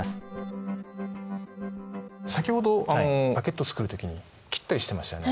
先ほどパケット作る時に切ったりしてましたよね。